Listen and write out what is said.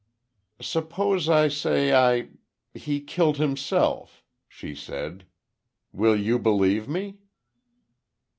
"Suppose I say I—he killed himself," she said, "will you believe me?"